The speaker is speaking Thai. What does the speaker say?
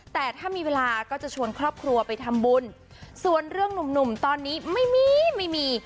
แต่ถ้ามีเวลาก็จะชวนครอบครัวไปทำบุญส่วนเรื่องหนุ่มหนุ่มตอนนี้ไม่มีไม่มี